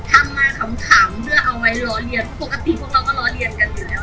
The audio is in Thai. ทำงานขำเพื่อเอาไว้ล้อเลียนเพราะปกติพวกเราก็ล้อเรียนกันอยู่แล้ว